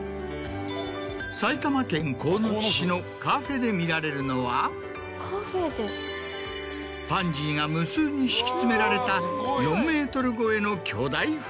埼玉県鴻巣市のカフェで見られるのはパンジーが無数に敷き詰められた。